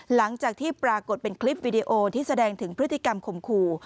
หลังจากที่ปรากฏเป็นคลิปวิดีโอที่แสดงถึงพฤติกรรมข่มขู่